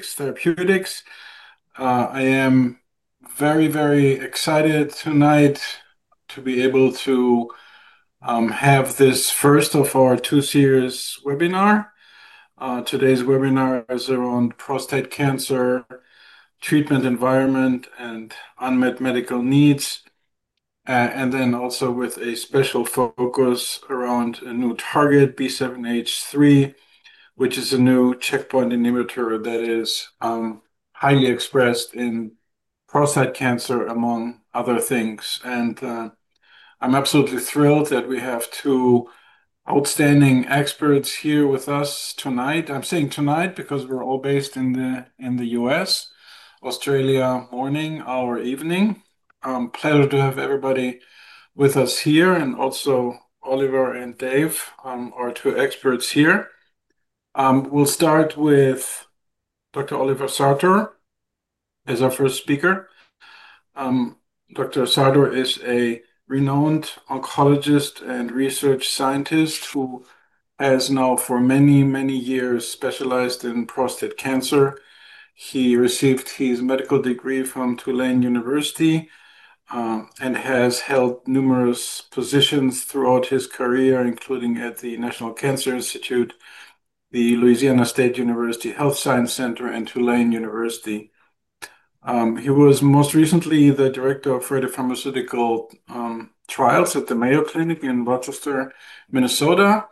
Theranostics. I am very, very excited tonight to be able to have this first of our two series webinars. Today's webinar is around prostate cancer, treatment environment, and unmet medical needs, with a special focus around a new target, B7-H3, which is a new checkpoint inhibitor that is highly expressed in prostate cancer, among other things. I'm absolutely thrilled that we have two outstanding experts here with us tonight. I'm saying tonight because we're all based in the U.S., Australia, morning. Our evening. I'm excited to have everybody with us here. Also, Oliver and Dave are two experts here. We'll start with Dr. Oliver Sartor as our first speaker. Dr. Sartor is a renowned oncologist and research scientist who has now for many, many years specialized in prostate cancer. He received his medical degree from Tulane University and has held numerous positions throughout his career, including at the National Cancer Institute, the Louisiana State University Health Science Center, and Tulane University. He was most recently the Director of Radiopharmaceutical Trials at the Mayo Clinic in Rochester, Minnesota,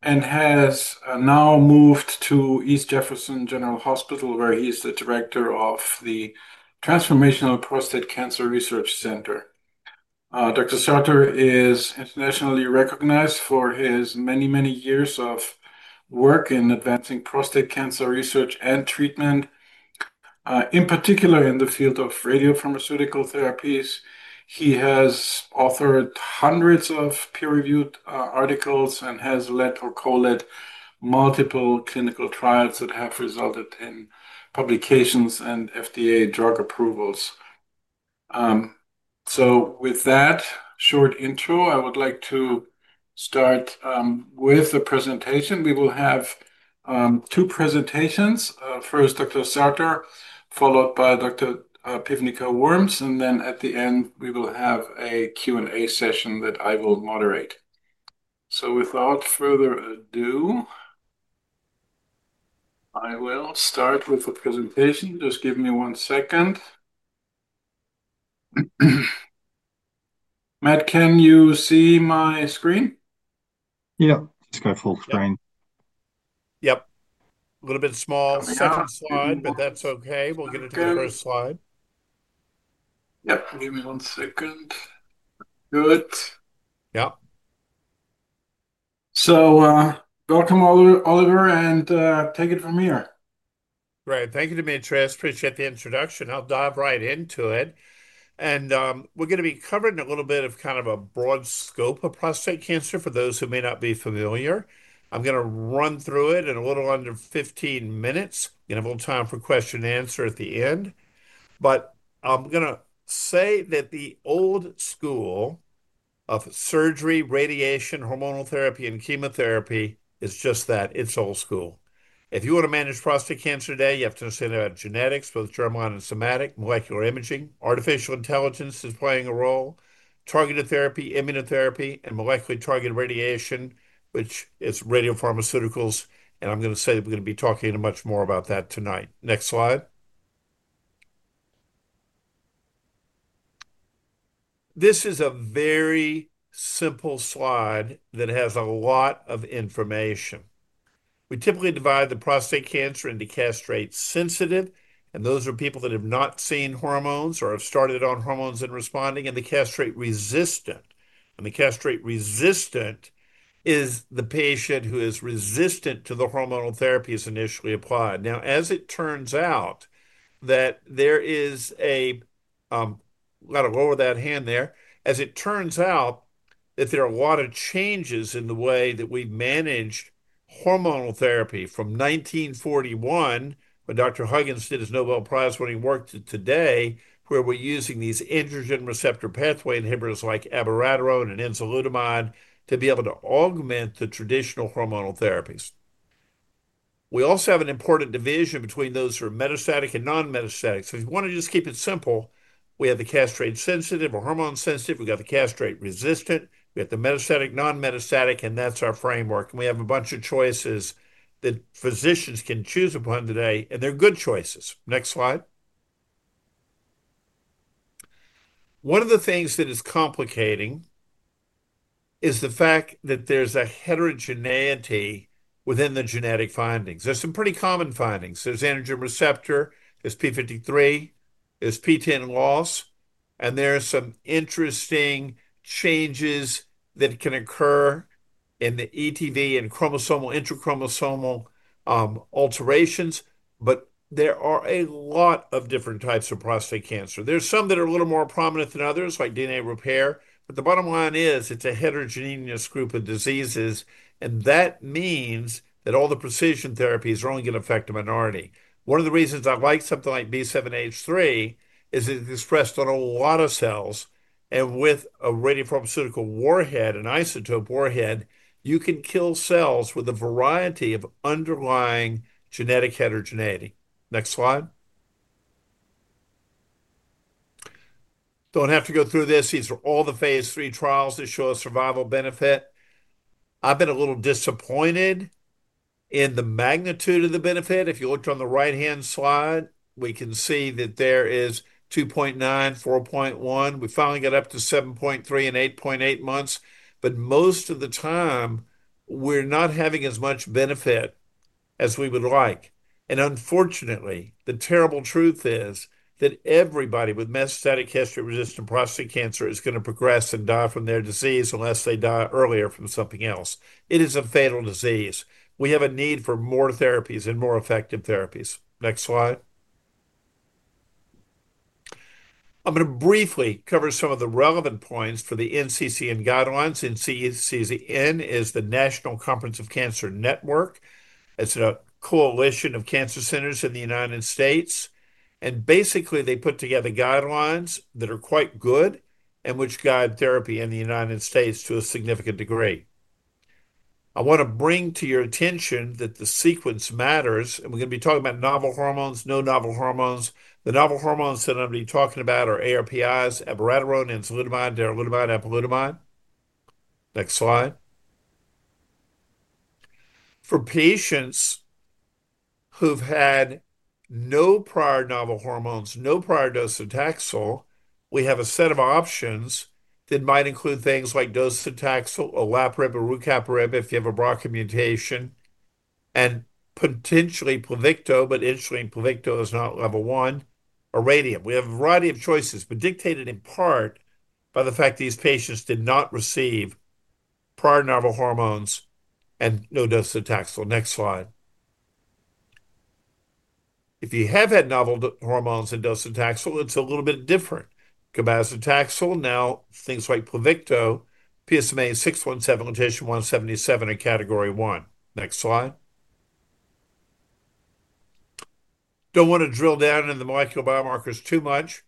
and has now moved to East Jefferson General Hospital, where he is the Director of the Transformational Prostate Cancer Research Center. Dr. Sartor is internationally recognized for his many, many years of work in advancing prostate cancer research and treatment, in particular in the field of radiopharmaceutical therapies. He has authored hundreds of peer-reviewed articles and has led, or call it, multiple clinical trials that have resulted in publications and FDA drug approvals. With that short intro, I would like to start with the presentation. We will have two presentations. First, Dr. Sartor, followed by Dr. Piwnica-Worms. At the end, we will have a Q&A session that I will moderate. Without further ado, I will start with the presentation. Just give me one second. Matt, can you see my screen? Yeah, it's got a full screen. Yep. A little bit small second slide, but that's OK. We'll get it to the first slide. Yep. Give me one second. Good. Yep. Go to Oliver, and take it from here. Right. Thank you, Dimitris. Appreciate the introduction. I'll dive right into it. We're going to be covering a little bit of kind of a broad scope of prostate cancer for those who may not be familiar. I'm going to run through it in a little under 15 minutes, give a little time for question and answer at the end. I'm going to say that the old school of surgery, radiation, hormonal therapy, and chemotherapy is just that. It's old school. If you want to manage prostate cancer today, you have to understand about genetics, both germline and somatic, molecular imaging, artificial intelligence is playing a role, targeted therapy, immunotherapy, and molecularly targeted radiation, which is radiopharmaceuticals. We're going to be talking much more about that tonight. Next slide. This is a very simple slide that has a lot of information. We typically divide the prostate cancer into castrate sensitive, and those are people that have not seen hormones or have started on hormones and responding, and the castrate resistant. The castrate resistant is the patient who is resistant to the hormonal therapies initially applied. As it turns out that there is a—got to lower that hand there. As it turns out that there are a lot of changes in the way that we managed hormonal therapy from 1941, when Dr. Huggins did his Nobel Prize when he worked at today, where we're using these androgen receptor pathway inhibitors like abiraterone and enzalutamide to be able to augment the traditional hormonal therapies. We also have an important division between those who are metastatic and non-metastatic. If you want to just keep it simple, we have the castrate sensitive or hormone sensitive. We've got the castrate resistant. We have the metastatic, non-metastatic, and that's our framework. We have a bunch of choices that physicians can choose upon today, and they're good choices. Next slide. One of the things that is complicating is the fact that there's a heterogeneity within the genetic findings. There's some pretty common findings. There's androgen receptor. There's p53. There's PTEN loss. There are some interesting changes that can occur in the ETV and chromosomal intrachromosomal alterations. There are a lot of different types of prostate cancer. There's some that are a little more prominent than others, like DNA repair. The bottom line is it's a heterogeneous group of diseases. That means that all the precision therapies are only going to affect a minority. One of the reasons I like something like B7-H3 is it's expressed on a lot of cells. With a radiopharmaceutical warhead, an isotope warhead, you can kill cells with a variety of underlying genetic heterogeneity. Next slide. Don't have to go through this. These are all the phase III trials that show a survival benefit. I've been a little disappointed in the magnitude of the benefit. If you looked on the right-hand slide, we can see that there is 2.9 months, 4.1 months. We finally got up to 7.3 months and 8.8 months. Most of the time, we're not having as much benefit as we would like. Unfortunately, the terrible truth is that everybody with metastatic castration-resistant prostate cancer is going to progress and die from their disease unless they die earlier from something else. It is a fatal disease. We have a need for more therapies and more effective therapies. Next slide. I'm going to briefly cover some of the relevant points to the NCCN guidelines. NCCN is the National Comprehensive Cancer Network. It's a coalition of cancer centers in the United States. Basically, they put together guidelines that are quite good and which guide therapy in the United States to a significant degree. I want to bring to your attention that the sequence matters. We're going to be talking about novel hormones, no novel hormones. The novel hormones that I'm going to be talking about are ARPIs, abiraterone, enzalutamide, darolutamide, and apalutamide. Next slide. For patients who've had no prior novel hormones, no prior docetaxel, we have a set of options that might include things like docetaxel, olaparib or rucaparib if you have a BRCA mutation, and potentially Pluvicto. Interestingly, Pluvicto is not level 1 or radium. We have a variety of choices, but dictated in part by the fact that these patients did not receive prior novel hormones and no docetaxel. Next slide. If you have had novel hormones and docetaxel, it's a little bit different. Cabazitaxel, now things like Pluvicto, PSMA-617, Lutetium-177, are Category 1. Next slide. Don't want to drill down into the molecular biomarkers too much.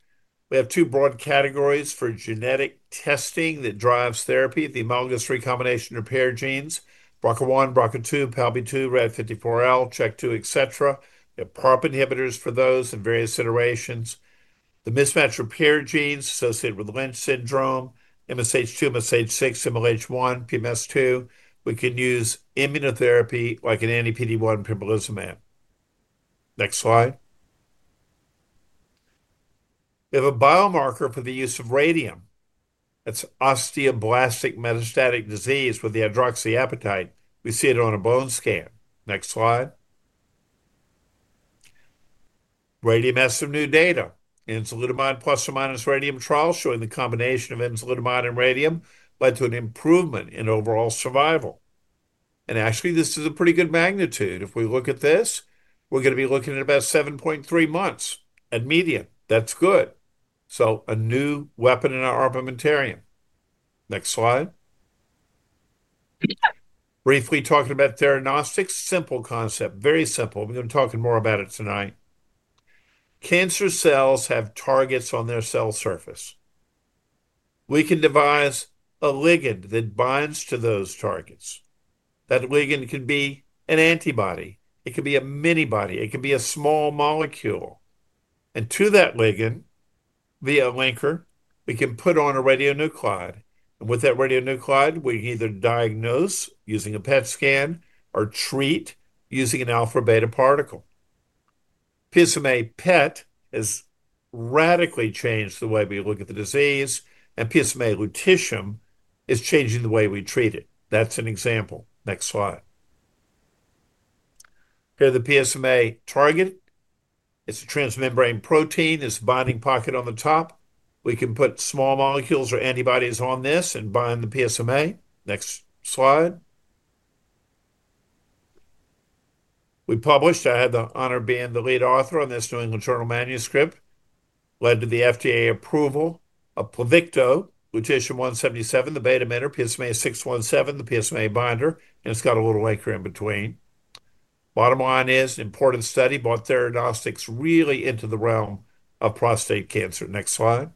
We have two broad categories for genetic testing that drives therapy: the homologous recombination repair genes, BRCA1, BRCA2, PALB2, RAD54L, CHEK2, et cetera. We have PARP inhibitors for those in various iterations. The mismatch repair genes associated with Lynch syndrome, MSH2, MSH6, MLH1, PMS2. We can use immunotherapy like an anti-PD-1, pembrolizumab. Next slide. We have a biomarker for the use of radium. That's osteoblastic metastatic disease with the hydroxyapatite. We see it on a bone scan. Next slide. Radium has some new data. Enzalutamide plus or minus radium trials showing the combination of enzalutamide and radium led to an improvement in overall survival. Actually, this is a pretty good magnitude. If we look at this, we're going to be looking at about 7.3 months at median. That's good. A new weapon in our armamentarium. Next slide. Briefly talking about Theranostics. Simple concept, very simple. We're going to be talking more about it tonight. Cancer cells have targets on their cell surface. We can devise a ligand that binds to those targets. That ligand can be an antibody. It can be a minibody. It can be a small molecule. To that ligand, via a linker, we can put on a radionuclide. With that radionuclide, we can either diagnose using a PET scan or treat using an alpha-beta particle. PSMA PET has radically changed the way we look at the disease. PSMA Lutetium is changing the way we treat it. That's an example. Next slide. Here's the PSMA target. It's a transmembrane protein. It's a binding pocket on the top. We can put small molecules or antibodies on this and bind the PSMA. Next slide. We published. I had the honor of being the lead author on this New England Journal manuscript. Led to the FDA approval of Pluvicto. Lutetium-177, the beta-emitter, PSMA-617, the PSMA binder. It's got a little anchor in between. Bottom line is an important study brought Theranostics really into the realm of prostate cancer. Next slide.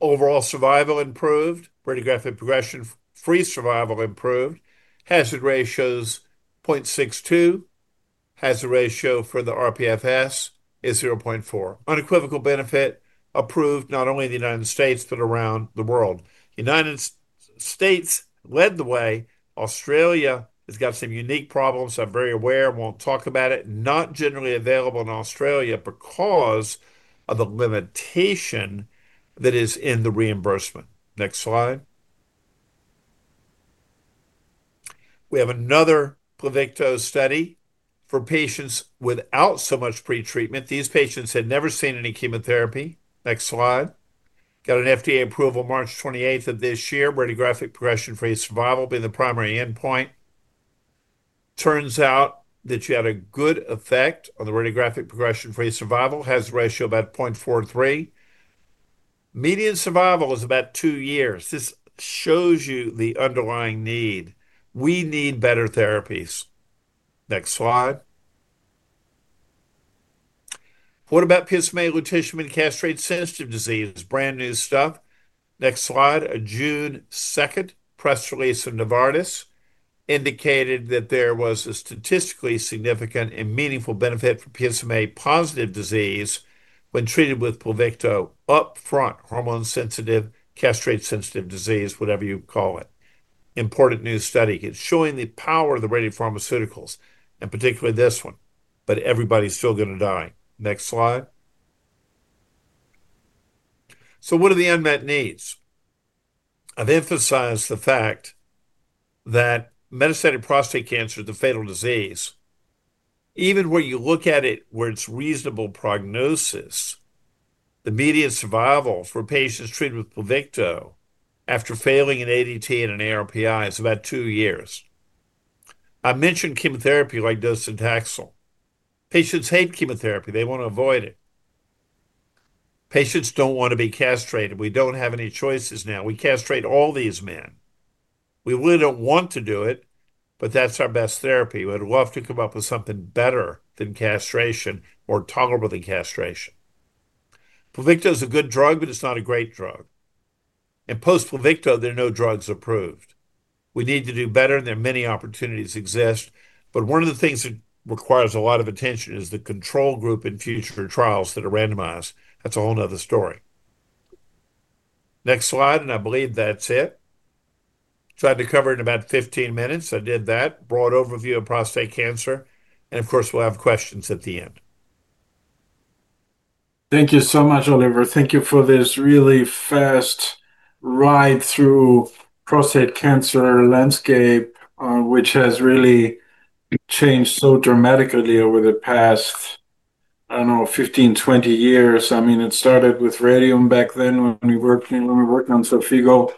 Overall survival improved. Radiographic progression-free survival improved. Hazard ratios 0.62. Hazard ratio for the RPFS is 0.4. Unequivocal benefit approved not only in the United States, but around the world. The United States led the way. Australia has got some unique problems I am very aware and won't talk about it. Not generally available in Australia because of the limitation that is in the reimbursement. Next slide. We have another Pluvicto study for patients without so much pretreatment. These patients had never seen any chemotherapy. Next slide. Got an FDA approval March 28th of this year. Radiographic progression-free survival being the primary endpoint. Turns out that you had a good effect on the radiographic progression-free survival. Hazard ratio about 0.43. Median survival was about two years. This shows you the underlying need. We need better therapies. Next slide. What about PSMA Lutetium and castrate sensitive disease? Brand new stuff. Next slide. A June 2nd press release from Novartis indicated that there was a statistically significant and meaningful benefit for PSMA positive disease when treated with Pluvicto upfront hormone sensitive, castrate sensitive disease, whatever you call it. Important new study. It's showing the power of the radiopharmaceuticals, and particularly this one. Everybody's still going to die. Next slide. What are the unmet needs? I've emphasized the fact that metastatic prostate cancer is a fatal disease. Even where you look at it, where it's reasonable prognosis, the median survival for patients treated with Pluvicto after failing an ADT and an ARPI is about two years. I mentioned chemotherapy like dose of Taxol. Patients hate chemotherapy. They want to avoid it. Patients don't want to be castrated. We don't have any choices now. We castrate all these men. We really don't want to do it, but that's our best therapy. We'd love to come up with something better than castration or tolerable than castration. Pluvicto is a good drug, but it's not a great drug. Post-Pluvicto, there are no drugs approved. We need to do better, and there are many opportunities that exist. One of the things that requires a lot of attention is the control group in future trials that are randomized. That's a whole other story. Next slide. I believe that's it. I've been covering about 15 minutes. I did that. Broad overview of prostate cancer. Of course, we'll have questions at the end. Thank you so much, Oliver. Thank you for this really fast ride through the prostate cancer landscape, which has really changed so dramatically over the past, I don't know, 15, 20 years. It started with radium back then when we worked on Xofigo.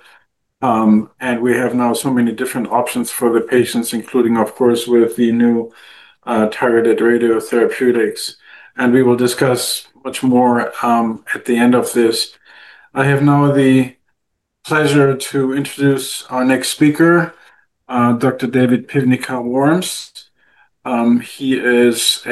We have now so many different options for the patients, including, of course, with the new targeted radiotherapeutics. We will discuss much more at the end of this. I have now the pleasure to introduce our next speaker, Dr. David Piwnica-Worms. He is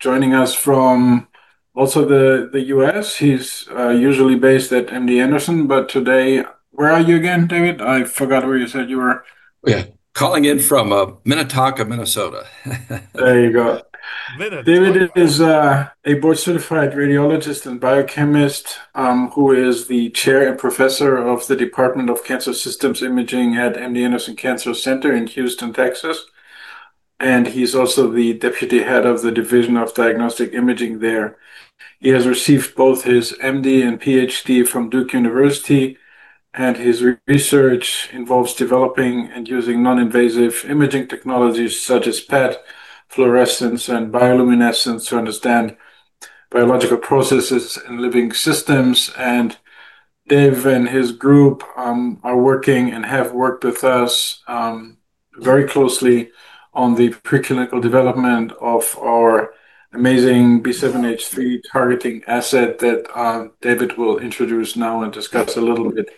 joining us from also the U.S. He's usually based at MD Anderson. Today, where are you again, David? I forgot where you said you were. Yeah, calling in from Minnetonka, Minnesota. There you go. David is a board-certified radiologist and biochemist who is the Chair and Professor of the Department of Cancer Systems Imaging at MD Anderson Cancer Center in Houston, Texas. He is also the Deputy Head of the Division of Diagnostic Imaging there. He has received both his MD and PhD from Duke University. His research involves developing and using non-invasive imaging technologies such as PET, fluorescence, and bioluminescence to understand biological processes in living systems. Dave and his group are working and have worked with us very closely on the preclinical development of our amazing B7-H3 targeting asset that David will introduce now and discuss a little bit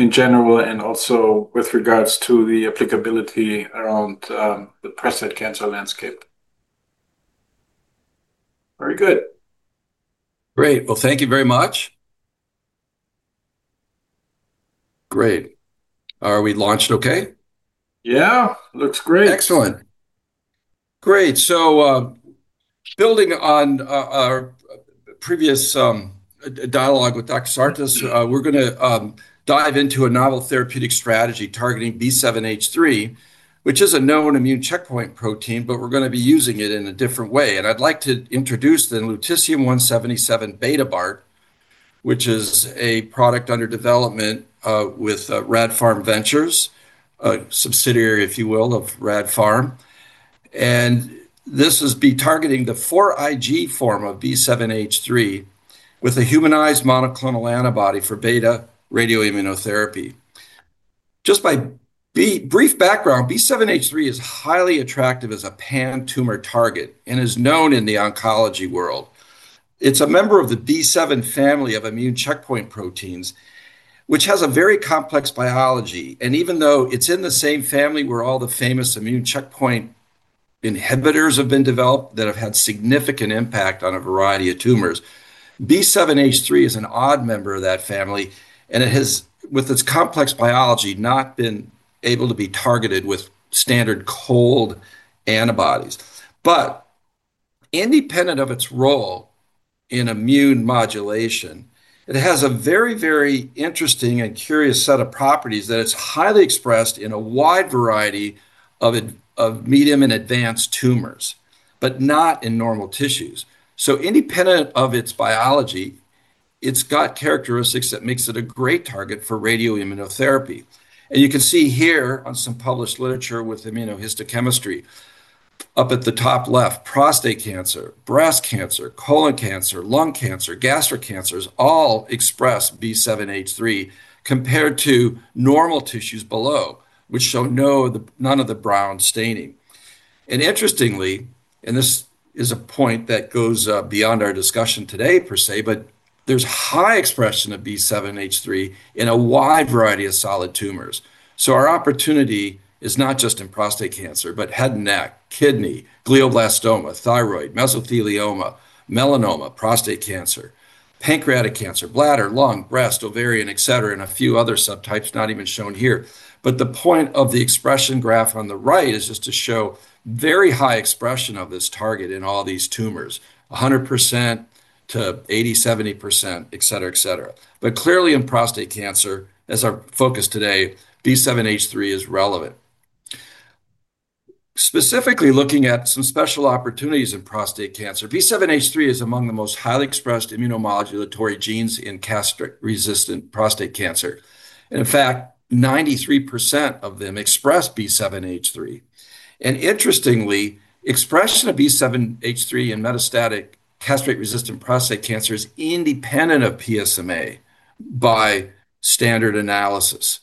in general, and also with regards to the applicability around the prostate cancer landscape. Very good. Great. Thank you very much. Are we launched OK? Yeah, looks great. Excellent. Great. Building on our previous dialogue with Dr. Sartor, we're going to dive into a novel therapeutic strategy targeting B7-H3, which is a known immune checkpoint protein, but we're going to be using it in a different way. I'd like to introduce the Lutetium-177 BetaBart, which is a product under development with Radiopharm Ventures. This would be targeting the 4Ig form of B7-H3 with a humanized monoclonal antibody for beta radioimmunotherapy. Just by brief background, B7-H3 is highly attractive as a pan-tumor target and is known in the oncology world. It's a member of the B7 family of immune checkpoint proteins, which has a very complex biology. Even though it's in the same family where all the famous immune checkpoint inhibitors have been developed that have had significant impact on a variety of tumors, B7-H3 is an odd member of that family. With its complex biology, it has not been able to be targeted with standard cold antibodies. Independent of its role in immune modulation, it has a very, very interesting and curious set of properties in that it's highly expressed in a wide variety of medium and advanced tumors, but not in normal tissues. Independent of its biology, it's got characteristics that make it a great target for radioimmunotherapy. You can see here on some published literature with immunohistochemistry, up at the top left, prostate cancer, breast cancer, colon cancer, lung cancer, gastric cancers all express B7-H3 compared to normal tissues below, which show none of the brown staining. Interestingly, and this is a point that goes beyond our discussion today per se, there's high expression of B7-H3 in a wide variety of solid tumors. Our opportunity is not just in prostate cancer, but head and neck, kidney, glioblastoma, thyroid, mesothelioma, melanoma, prostate cancer, pancreatic cancer, bladder, lung, breast, ovarian, et cetera, and a few other subtypes not even shown here. The point of the expression graph on the right is just to show very high expression of this target in all these tumors, 100% to 80%, 70%, et cetera, et cetera. Clearly, in prostate cancer, as our focus today, B7-H3 is relevant. Specifically, looking at some special opportunities in prostate cancer, B7-H3 is among the most highly expressed immunomodulatory genes in castration-resistant prostate cancer. In fact, 93% of them express B7-H3. Interestingly, expression of B7-H3 in metastatic castration-resistant prostate cancer is independent of PSMA by standard analysis.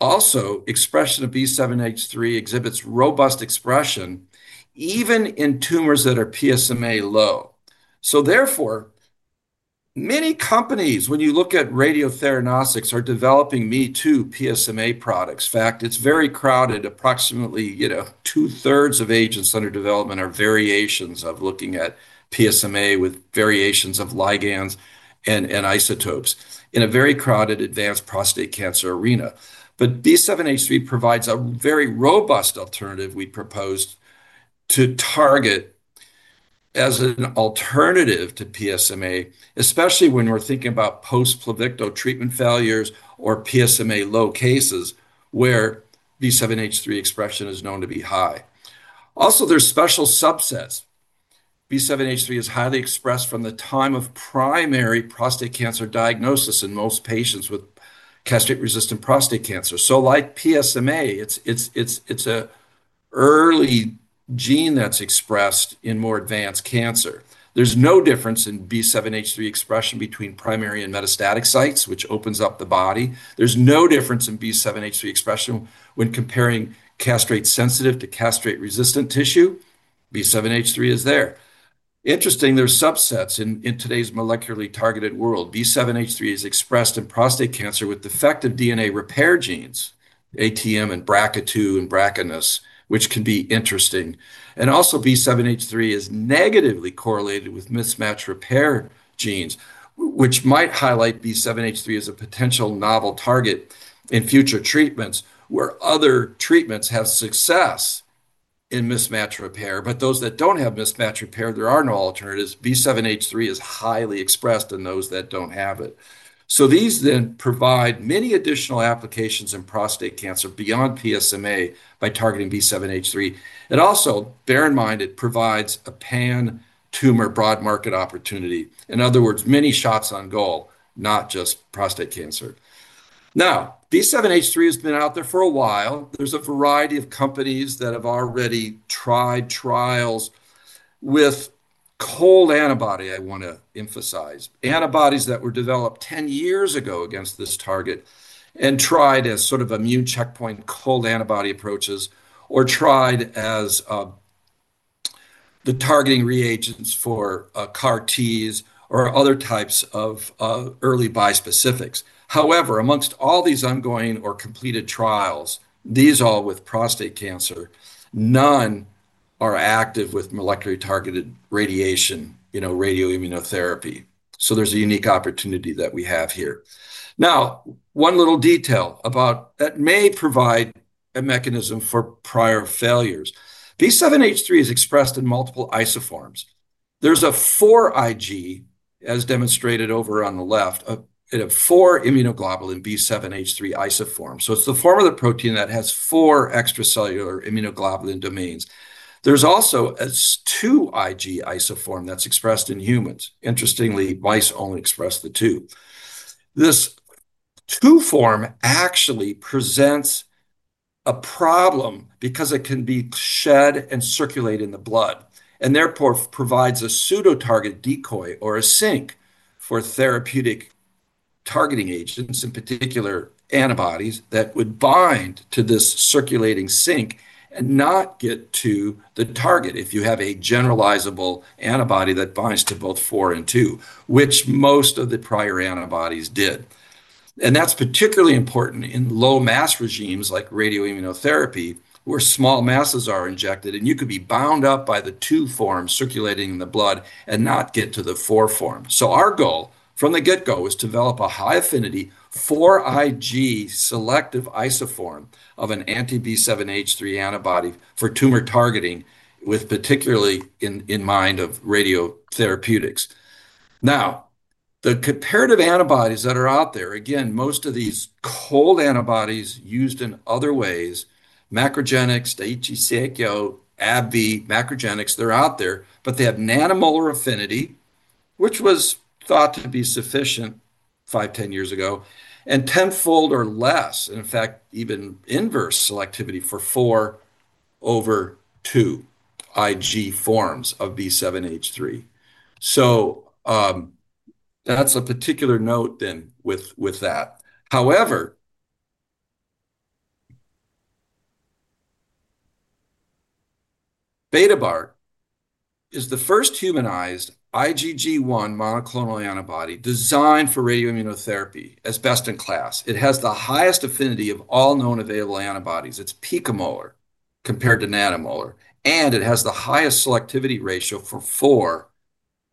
Also, expression of B7-H3 exhibits robust expression even in tumors that are PSMA low. Therefore, many companies, when you look at radiotheranostics, are developing me-too PSMA products. In fact, it's very crowded. Approximately 2/3 of agents under development are variations of looking at PSMA with variations of ligands and isotopes in a very crowded advanced prostate cancer arena. B7-H3 provides a very robust alternative we proposed to target as an alternative to PSMA, especially when we're thinking about post-Pluvicto treatment failures or PSMA low cases where B7-H3 expression is known to be high. There are special subsets. B7-H3 is highly expressed from the time of primary prostate cancer diagnosis in most patients with castration-resistant prostate cancer. Like PSMA, it's an early gene that's expressed in more advanced cancer. There's no difference in B7-H3 expression between primary and metastatic sites, which opens up the body. There's no difference in B7-H3 expression when comparing castration sensitive to castration resistant tissue. B7-H3 is there. Interestingly, there are subsets in today's molecularly targeted world. B7-H3 is expressed in prostate cancer with defective DNA repair genes, ATM and BRCA2 and BRCA, which can be interesting. Also, B7-H3 is negatively correlated with mismatch repair genes, which might highlight B7-H3 as a potential novel target in future treatments where other treatments have success in mismatch repair. Those that don't have mismatch repair, there are no alternatives. B7-H3 is highly expressed in those that don't have it. These then provide many additional applications in prostate cancer beyond PSMA by targeting B7-H3. Also, bear in mind, it provides a pan-tumor broad market opportunity. In other words, many shots on goal, not just prostate cancer. B7-H3 has been out there for a while. There's a variety of companies that have already tried trials with cold antibody, I want to emphasize, antibodies that were developed 10 years ago against this target and tried as sort of immune checkpoint cold antibody approaches or tried as the targeting reagents for CAR-Ts or other types of early bispecifics. However, amongst all these ongoing or completed trials, these all with prostate cancer, none are active with molecularly targeted radiation, you know, radioimmunotherapy. There's a unique opportunity that we have here. One little detail about that may provide a mechanism for prior failures. B7-H3 is expressed in multiple isoforms. There's a 4Ig, as demonstrated over on the left, in a 4 immunoglobulin B7-H3 isoform. It's the form of the protein that has four extracellular immunoglobulin domains. There's also a 2Ig isoform that's expressed in humans. Interestingly, mice only express the two. This two form actually presents a problem because it can be shed and circulate in the blood and therefore provides a pseudo-target decoy or a sink for therapeutic targeting agents, in particular antibodies that would bind to this circulating sink and not get to the target if you have a generalizable antibody that binds to both 4Ig and 2Ig, which most of the prior antibodies did. That's particularly important in low-mass regimes like radioimmunotherapy where small masses are injected and you could be bound up by the two forms circulating in the blood and not get to the four form. Our goal from the get-go is to develop a high affinity 4Ig selective isoform of an anti-B7-H3 antibody for tumor targeting, particularly in mind of radiotherapeutics. The comparative antibodies that are out there, again, most of these cold antibodies used in other ways, MacroGenics, the [ATC, AKO, ABB], MacroGenics, they're out there. They have nanomolar affinity, which was thought to be sufficient 5, 10 years ago, and tenfold or less, and in fact, even inverse selectivity for 4Ig over 2Ig forms of B7-H3. That's a particular note then with that. However, BetaBart is the first humanized IgG1 monoclonal antibody designed for radiopharmaceutical therapy as best in class. It has the highest affinity of all known available antibodies. It's picomolar compared to nanomolar. It has the highest selectivity ratio for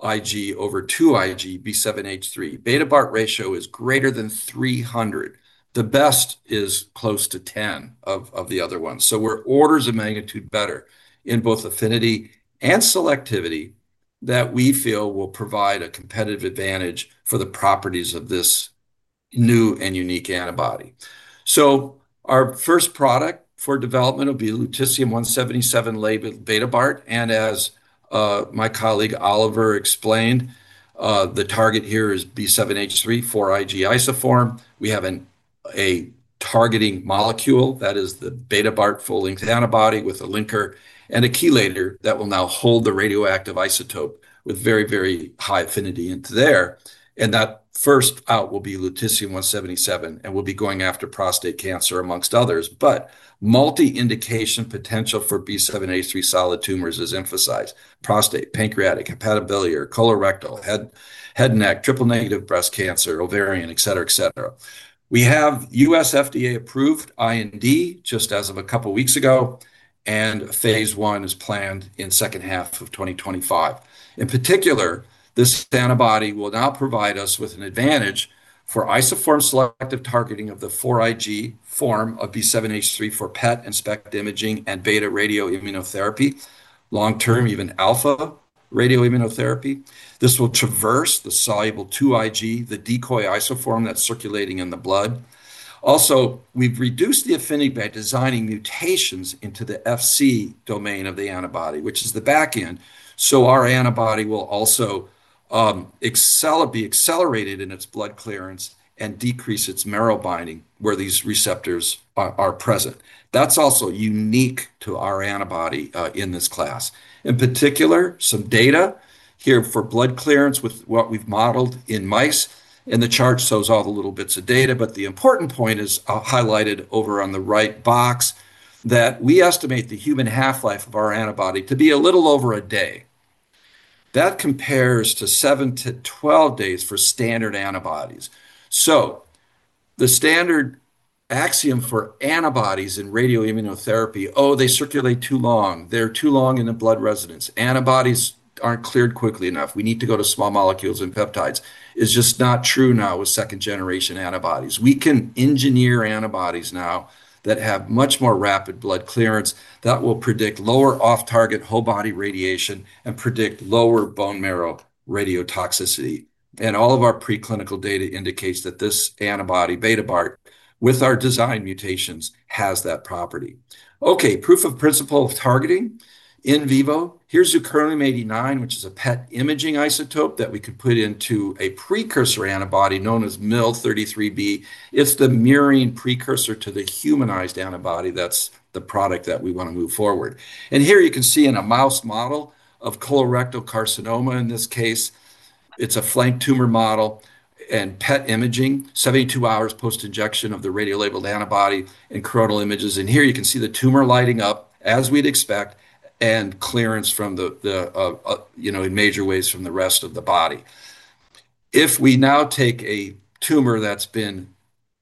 4Ig over 2Ig B7-H3. BetaBart ratio is greater than 300. The best is close to 10 of the other ones. We're orders of magnitude better in both affinity and selectivity that we feel will provide a competitive advantage for the properties of this new and unique antibody. Our first product for development will be Lutetium-177 labeled BetaBart. As my colleague Oliver explained, the target here is B7-H3 4Ig isoform. We have a targeting molecule that is the BetaBart full-length antibody with a linker and a chelator that will now hold the radioactive isotope with very, very high affinity into there. That first out will be Lutetium-177. We will be going after prostate cancer amongst others. Multi-indication potential for B7-H3 solid tumors is emphasized. Prostate, pancreatic, hepatobiliary, colorectal, head, neck, triple negative breast cancer, ovarian, et cetera, et cetera. We have U.S. FDA approved IND just as of a couple of weeks ago, and phase I is planned in the second half of 2025. In particular, this antibody will now provide us with an advantage for isoform selective targeting of the 4Ig form of B7-H3 for PET and SPECT imaging and beta radioimmunotherapy, long-term even alpha radioimmunotherapy. This will traverse the soluble 2Ig, the decoy isoform that's circulating in the blood. Also, we've reduced the affinity by designing mutations into the Fc domain of the antibody, which is the back end. Our antibody will also be accelerated in its blood clearance and decrease its marrow binding where these receptors are present. That's also unique to our antibody in this class. In particular, some data here for blood clearance with what we've modeled in mice. The chart shows all the little bits of data, but the important point is highlighted over on the right box that we estimate the human half-life of our antibody to be a little over a day. That compares to 7 to 12 days for standard antibodies. The standard axiom for antibodies in radioimmunotherapy is they circulate too long. They're too long in the blood residence. Antibodies aren't cleared quickly enough. We need to go to small molecules and peptides. It's just not true now with second-generation antibodies. We can engineer antibodies now that have much more rapid blood clearance that will predict lower off-target whole body radiation and predict lower bone marrow radiotoxicity. All of our preclinical data indicates that this antibody, BetaBart, with our design mutations, has that property. Proof of principle of targeting in vivo. Here's Zirconium-89, which is a PET imaging isotope that we could put into a precursor antibody known as MIL33B. It's the mirroring precursor to the humanized antibody. That's the product that we want to move forward. Here you can see in a mouse model of colorectal carcinoma, in this case, it's a flank tumor model, and PET imaging, 72 hours post-injection of the radiolabeled antibody and coronal images. Here you can see the tumor lighting up as we'd expect and clearance from the, you know, in major ways from the rest of the body. If we now take a tumor that's been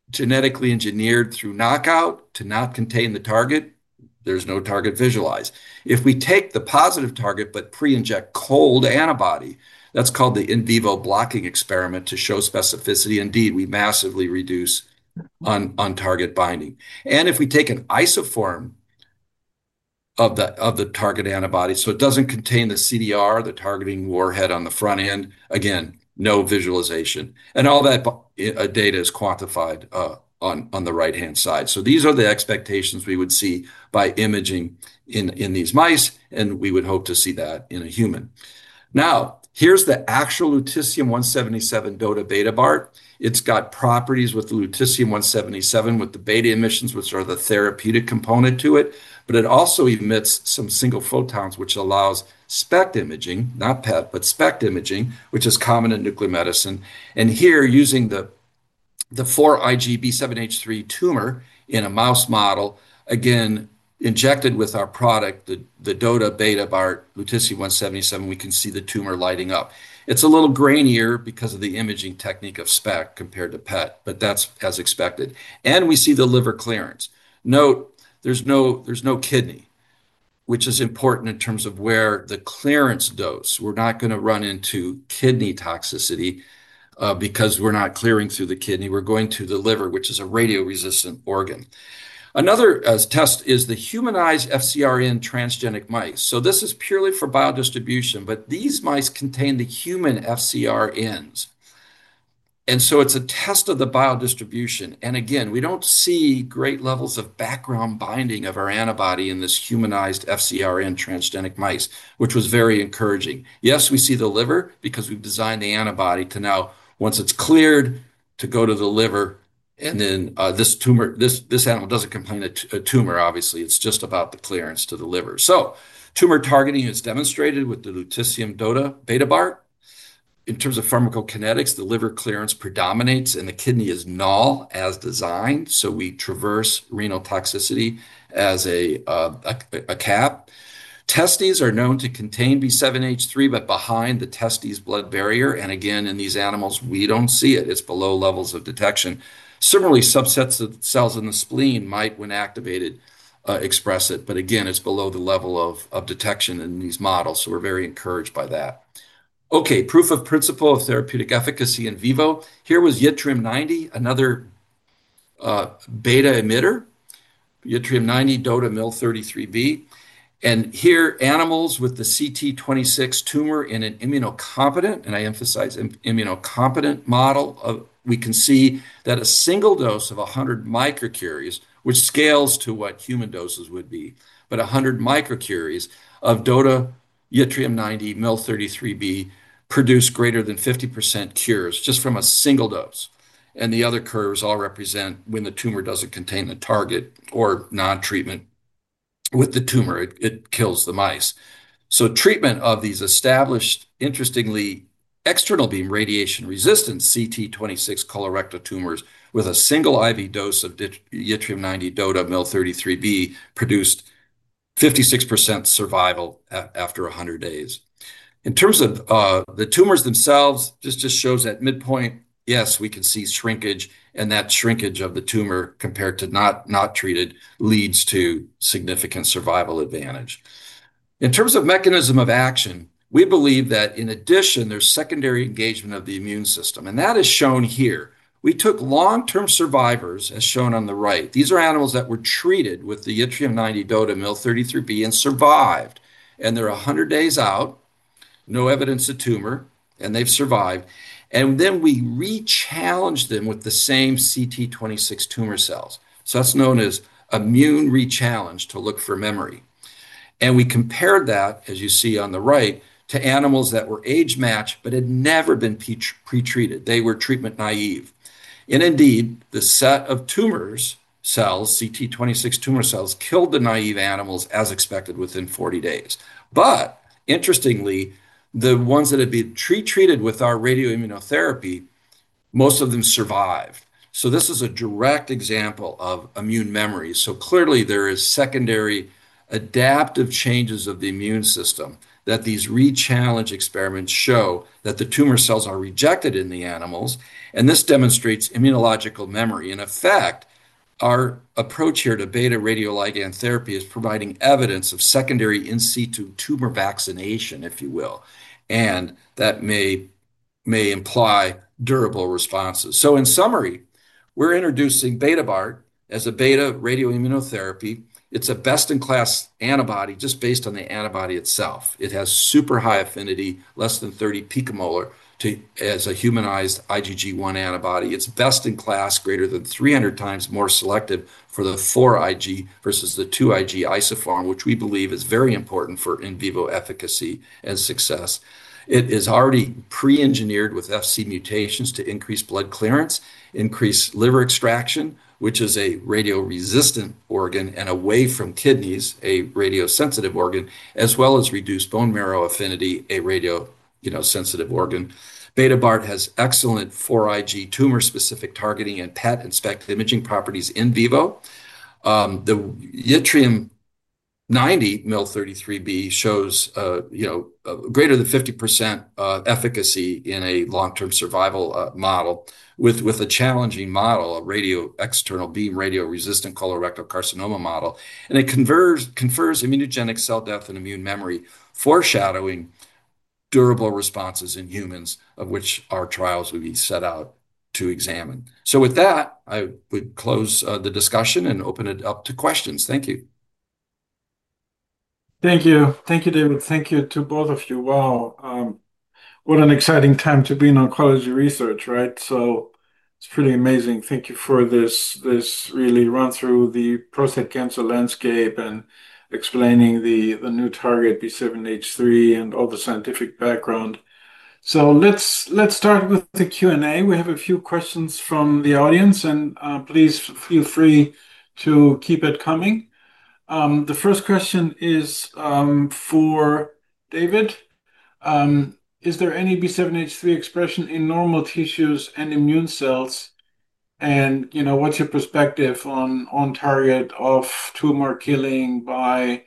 genetically engineered through knockout to not contain the target, there's no target visualized. If we take the positive target but pre-inject cold antibody, that's called the in vivo blocking experiment to show specificity. Indeed, we massively reduce on-target binding. If we take an isoform of the target antibody, so it doesn't contain the CDR, the targeting warhead on the front end, again, no visualization. All that data is quantified on the right-hand side. These are the expectations we would see by imaging in these mice. We would hope to see that in a human. Now, here's the actual Lutetium-177 DOTA BetaBart. It's got properties with Lutetium-177 with the beta emissions, which are the therapeutic component to it. It also emits some single photons, which allows SPECT imaging, not PET, but SPECT imaging, which is common in nuclear medicine. Here, using the 4Ig B7-H3 tumor in a mouse model, again, injected with our product, the DOTA BetaBart Lutetium-177, we can see the tumor lighting up. It's a little grainier because of the imaging technique of SPECT compared to PET. That's as expected. We see the liver clearance. Note, there's no kidney, which is important in terms of where the clearance goes. We're not going to run into kidney toxicity because we're not clearing through the kidney. We're going to the liver, which is a radioresistant organ. Another test is the humanized FcRn transgenic mice. This is purely for biodistribution. These mice contain the human FcRNs. It's a test of the biodistribution. We don't see great levels of background binding of our antibody in this humanized FcRn transgenic mice, which was very encouraging. Yes, we see the liver because we've designed the antibody to now, once it's cleared, to go to the liver. This animal doesn't contain a tumor, obviously. It's just about the clearance to the liver. Tumor targeting is demonstrated with the Lutetium DOTA BetaBart. In terms of pharmacokinetics, the liver clearance predominates. The kidney is null as designed. We traverse renal toxicity as a cap. Testes are known to contain B7-H3, but behind the testes blood barrier. In these animals, we don't see it. It's below levels of detection. Similarly, subsets of cells in the spleen might, when activated, express it. Again, it's below the level of detection in these models. We're very encouraged by that. OK, proof of principle of therapeutic efficacy in vivo. Here was Yttrium-90, another beta emitter, Yttrium-90 DOTA MIL33B. Here, animals with the CT26 tumor in an immunocompetent, and I emphasize immunocompetent, model, we can see that a single dose of 100 µCi, which scales to what human doses would be, but 100 µCi of DOTA Yttrium-90 MIL33B produced greater than 50% cures just from a single dose. The other curves all represent when the tumor doesn't contain the target or non-treatment with the tumor. It kills the mice. Treatment of these established, interestingly, external beam radiation resistant CT26 colorectal tumors with a single IV dose of Yttrium-90 DOTA MIL33B produced 56% survival after 100 days. In terms of the tumors themselves, this just shows at midpoint, yes, we can see shrinkage. That shrinkage of the tumor compared to not treated leads to significant survival advantage. In terms of mechanism of action, we believe that in addition, there's secondary engagement of the immune system. That is shown here. We took long-term survivors, as shown on the right. These are animals that were treated with the Yttrium-90 DOTA MIL33B and survived. They're 100 days out, no evidence of tumor, and they've survived. We re-challenged them with the same CT26 tumor cells. That's known as immune re-challenge to look for memory. We compared that, as you see on the right, to animals that were age-matched but had never been pretreated. They were treatment naive. Indeed, the set of tumor cells, CT26 tumor cells, killed the naive animals as expected within 40 days. Interestingly, the ones that had been pretreated with our radioimmunotherapy, most of them survived. This is a direct example of immune memory. Clearly, there are secondary adaptive changes of the immune system that these re-challenge experiments show that the tumor cells are rejected in the animals. This demonstrates immunological memory. In effect, our approach here to beta radio ligand therapy is providing evidence of secondary in situ tumor vaccination, if you will. That may imply durable responses. In summary, we're introducing BetaBart as a beta radioimmunotherapy. It's a best-in-class antibody just based on the antibody itself. It has super high affinity, less than 30 picomolar as a humanized IgG1 antibody. It's best in class, greater than 300 times more selective for the 4Ig versus the 2Ig isoform, which we believe is very important for in vivo efficacy and success. It is already pre-engineered with Fc mutations to increase blood clearance, increase liver extraction, which is a radioresistant organ, and away from kidneys, a radiosensitive organ, as well as reduce bone marrow affinity, a radiosensitive organ. BetaBart has excellent 4Ig tumor-specific targeting and PET and SPECT imaging properties in vivo. The Yttrium-90 MIL33B shows greater than 50% efficacy in a long-term survival model with a challenging model, an external beam radioresistant colorectal carcinoma model. It confers immunogenic cell death and immune memory, foreshadowing durable responses in humans, of which our trials will be set out to examine. I would close the discussion and open it up to questions. Thank you. Thank you. Thank you, David. Thank you to both of you. Wow. What an exciting time to be in oncology research, right? It's pretty amazing. Thank you for this really run through the prostate cancer landscape and explaining the new target, B7-H3, and all the scientific background. Let's start with the Q&A. We have a few questions from the audience. Please feel free to keep it coming. The first question is for David. Is there any B7-H3 expression in normal tissues and immune cells? What's your perspective on target of tumor killing by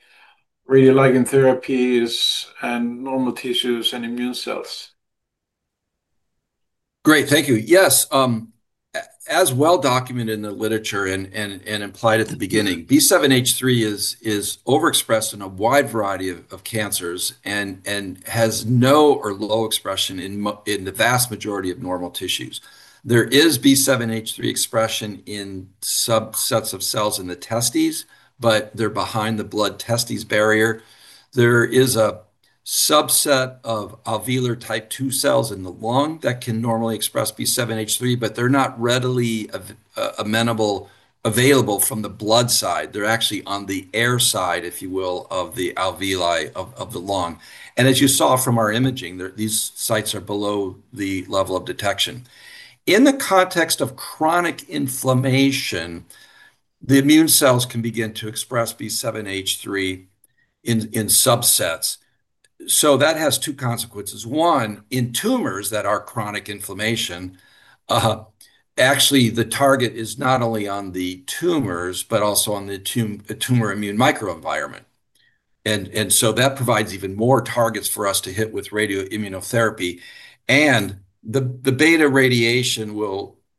radioligand therapies and normal tissues and immune cells? Great. Thank you. Yes. As well documented in the literature and implied at the beginning, B7-H3 is overexpressed in a wide variety of cancers and has no or low expression in the vast majority of normal tissues. There is B7-H3 expression in subsets of cells in the testes, but they're behind the blood-testes barrier. There is a subset of alveolar type II cells in the lung that can normally express B7-H3, but they're not readily available from the blood side. They're actually on the air side, if you will, of the alveoli of the lung. As you saw from our imaging, these sites are below the level of detection. In the context of chronic inflammation, the immune cells can begin to express B7-H3 in subsets. That has two consequences. One, in tumors that are chronic inflammation, actually, the target is not only on the tumors but also on the tumor immune microenvironment. That provides even more targets for us to hit with radioimmunotherapy. The beta radiation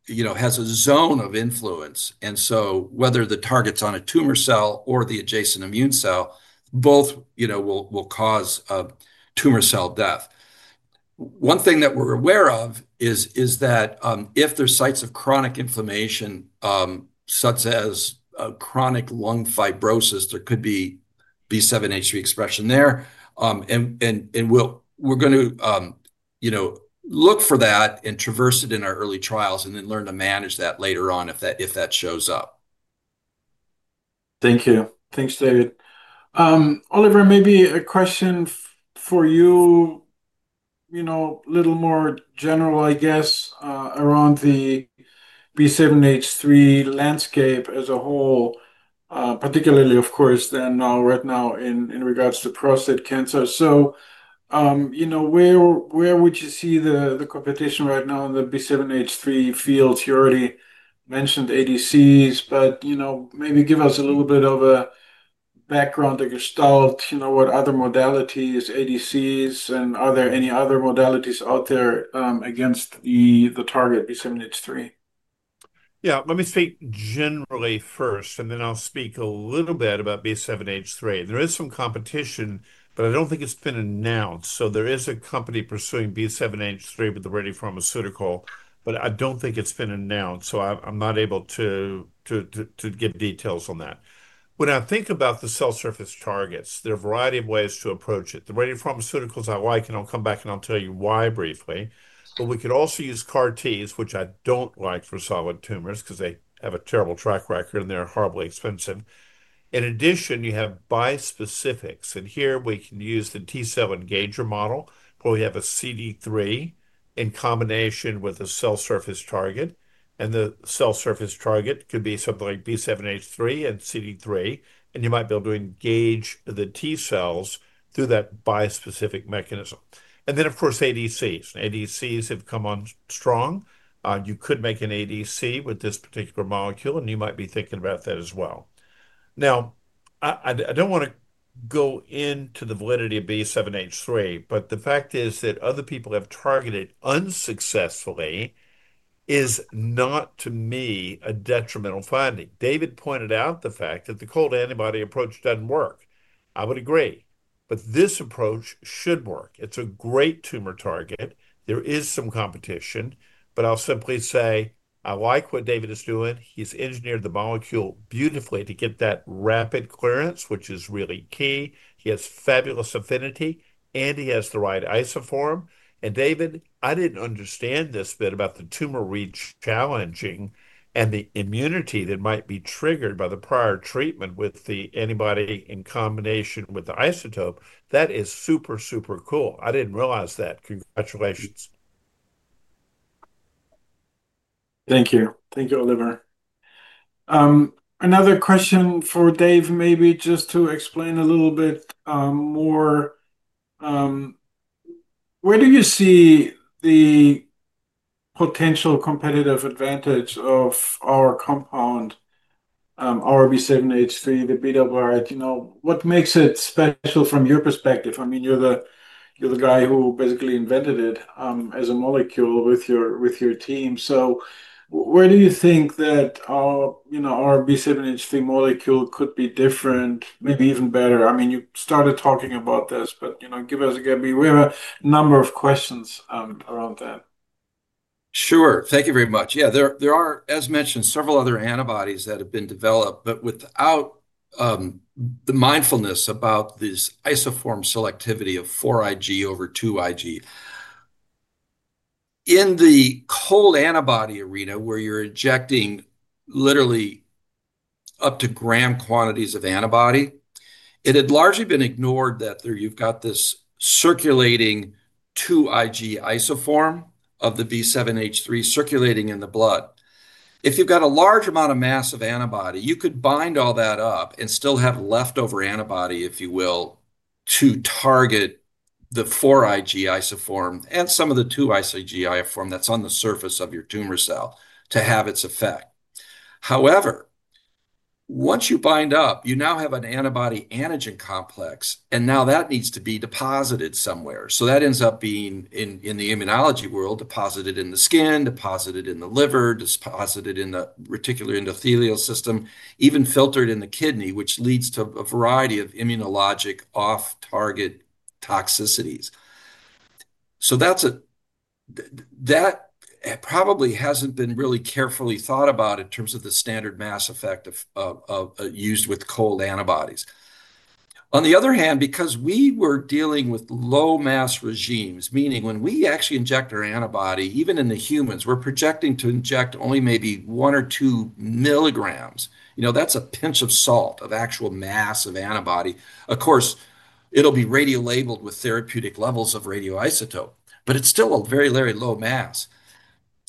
has a zone of influence. Whether the target's on a tumor cell or the adjacent immune cell, both will cause tumor cell death. One thing that we're aware of is that if there are sites of chronic inflammation, such as chronic lung fibrosis, there could be B7-H3 expression there. We're going to look for that and traverse it in our early trials and then learn to manage that later on if that shows up. Thank you. Thanks, David. Oliver, maybe a question for you, you know, a little more general, I guess, around the B7-H3 landscape as a whole, particularly, of course, then now right now in regards to prostate cancer. Where would you see the competition right now in the B7-H3 fields? You already mentioned ADCs, but maybe give us a little bit of a background to gestalt, what other modalities, ADCs, and are there any other modalities out there against the target B7-H3? Yeah. Let me speak generally first. Then I'll speak a little bit about B7-H3. There is some competition, but I don't think it's been announced. There is a company pursuing B7-H3 with the radiopharmaceutical, but I don't think it's been announced, so I'm not able to get details on that. When I think about the cell surface targets, there are a variety of ways to approach it. The radiopharmaceuticals I like, and I'll come back and I'll tell you why briefly. We could also use CAR-Ts, which I don't like for solid tumors because they have a terrible track record and they're horribly expensive. In addition, you have bispecifics. Here, we can use the T cell engager model, where we have a CD3 in combination with a cell surface target. The cell surface target could be something like B7-H3 and CD3, and you might be able to engage the T cells through that bispecific mechanism. Of course, ADCs have come on strong. You could make an ADC with this particular molecule, and you might be thinking about that as well. I don't want to go into the validity of B7-H3, but the fact is that other people have targeted unsuccessfully is not, to me, a detrimental finding. David pointed out the fact that the cold antibody approach doesn't work. I would agree. This approach should work. It's a great tumor target. There is some competition. I'll simply say I like what David is doing. He's engineered the molecule beautifully to get that rapid clearance, which is really key. He has fabulous affinity, and he has the right isoform. David, I didn't understand this bit about the tumor reach challenging and the immunity that might be triggered by the prior treatment with the antibody in combination with the isotope. That is super, super cool. I didn't realize that. Congratulations. Thank you. Thank you, Oliver. Another question for Dave, maybe just to explain a little bit more. Where do you see the potential competitive advantage of our compound, our B7-H3, the BetaBart? What makes it special from your perspective? I mean, you're the guy who basically invented it as a molecule with your team. Where do you think that our B7-H3 molecule could be different, maybe even better? I mean, you started talking about this. Give us a go. We have a number of questions around that. Sure. Thank you very much. There are, as mentioned, several other antibodies that have been developed, but without the mindfulness about this isoform selectivity of 4Ig over 2Ig. In the cold antibody arena where you're injecting literally up to gram quantities of antibody, it had largely been ignored that you've got this circulating 2Ig isoform of the B7-H3 circulating in the blood. If you've got a large amount of mass of antibody, you could bind all that up and still have leftover antibody, if you will, to target the 4Ig isoform and some of the 2Ig isoform that's on the surface of your tumor cell to have its effect. However, once you bind up, you now have an antibody antigen complex. Now that needs to be deposited somewhere. That ends up being, in the immunology world, deposited in the skin, deposited in the liver, deposited in the reticular endothelial system, even filtered in the kidney, which leads to a variety of immunologic off-target toxicities. That probably hasn't been really carefully thought about in terms of the standard mass effect used with cold antibodies. On the other hand, because we were dealing with low-mass regimes, meaning when we actually inject our antibody, even in the humans, we're projecting to inject only maybe 1 mg or 2 mg. That's a pinch of salt of actual mass of antibody. Of course, it'll be radiolabeled with therapeutic levels of radioisotope, but it's still a very low mass.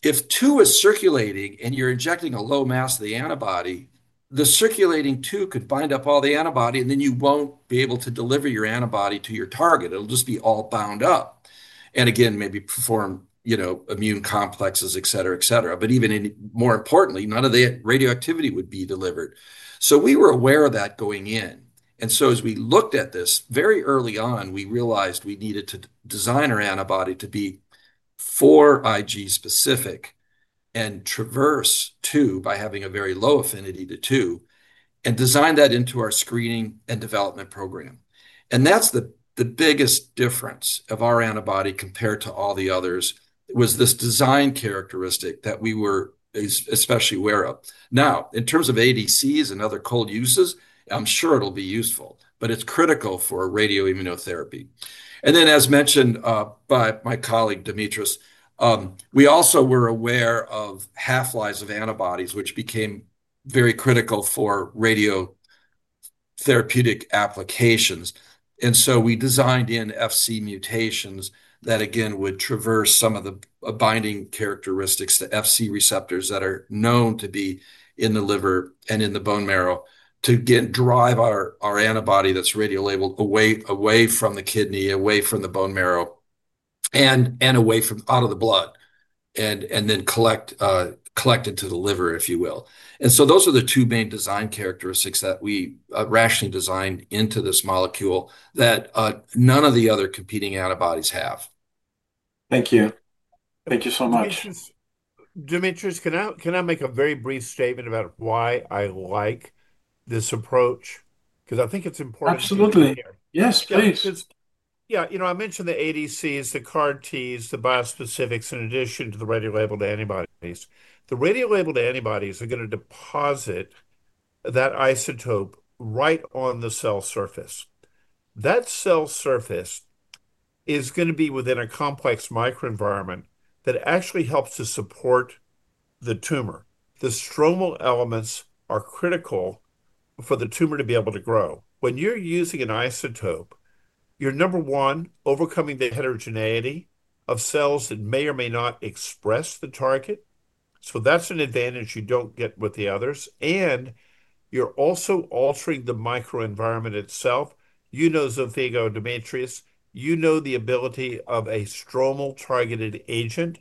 If 2Ig is circulating and you're injecting a low mass of the antibody, the circulating 2Ig could bind up all the antibody, and then you won't be able to deliver your antibody to your target. It'll just be all bound up and again maybe perform immune complexes, et cetera, et cetera. Even more importantly, none of the radioactivity would be delivered. We were aware of that going in. As we looked at this very early on, we realized we needed to design our antibody to be 4Ig specific and traverse 2Ig by having a very low affinity to 2Ig and design that into our screening and development program. That's the biggest difference of our antibody compared to all the others, this design characteristic that we were especially aware of. Now, in terms of ADCs and other cold uses, I'm sure it'll be useful, but it's critical for radioimmunotherapy. As mentioned by my colleague Dimitris, we also were aware of half-lives of antibodies, which became very critical for radiotherapeutic applications. We designed in Fc mutations that, again, would traverse some of the binding characteristics to Fc receptors that are known to be in the liver and in the bone marrow to drive our antibody that's radiolabeled away from the kidney, away from the bone marrow, and out of the blood, and then collect into the liver, if you will. Those are the two main design characteristics that we rationally designed into this molecule that none of the other competing antibodies have. Thank you. Thank you so much. Dimitris, can I make a very brief statement about why I like this approach? I think it's important. Absolutely, yes, please. Yeah. You know, I mentioned the ADCs, the CAR-Ts, the bispecifics in addition to the radio labeled antibodies. The radio labeled antibodies are going to deposit that isotope right on the cell surface. That cell surface is going to be within a complex microenvironment that actually helps to support the tumor. The stromal elements are critical for the tumor to be able to grow. When you're using an isotope, you're, number one, overcoming the heterogeneity of cells that may or may not express the target. That's an advantage you don't get with the others. You're also altering the microenvironment itself. You know, Dimitris, you know the ability of a stromal targeted agent